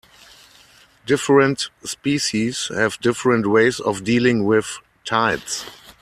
Different species have different ways of dealing with tides.